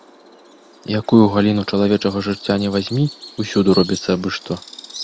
Якую галіну чалавечага жыцця ні вазьмі, усюды робіцца абы-што.